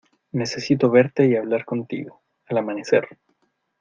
necesito verte y hablar contigo. al amanecer .